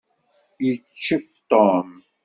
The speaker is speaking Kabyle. Yeccef Tom.